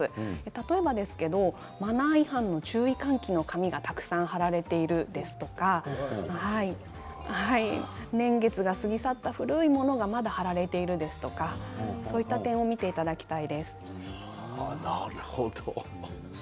例えばですけどマナー違反の注意喚起の紙がたくさん貼られているですとか年月が過ぎ去った古いものがまだ貼られているですとかそういった点を見ていただきたいですね。